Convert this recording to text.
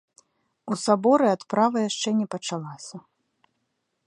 У саборы адправа яшчэ не пачалася.